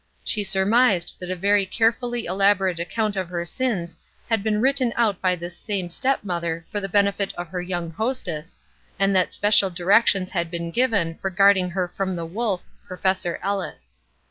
She surmised that a very carefully elaborate account of her sins had been written out by this same stepmother for the benefit of her young hostess, and that special directions had been given for guarding her from the wolf, Professor Ellis.